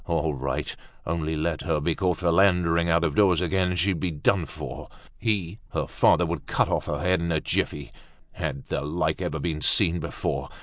All right. Only let her be caught philandering out of doors again, she'd be done for; he, her father, would cut off her head in a jiffy. Had the like ever been seen before!